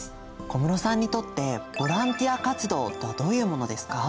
小室さんにとってボランティア活動とはどういうものですか？